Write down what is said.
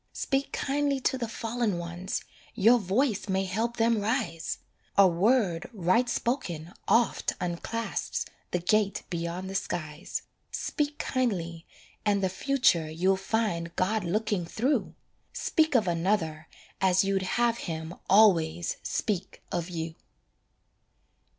Speak kindly to the fallen ones, Your voice may help them rise; A word right spoken oft unclasps The gate beyond the skies. Speak kindly, and the future You'll find God looking through! Speak of another as you'd have Him always speak of you.